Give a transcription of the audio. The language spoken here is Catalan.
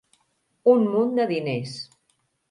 Un munt de diners.